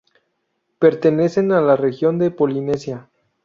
Pertenecen a la región de Polinesia.